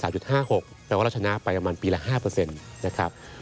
แปลว่าเราชนะไปปีละ๕นะครับ